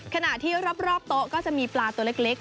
ขณะที่รอบโต๊ะก็จะมีปลาตัวเล็ก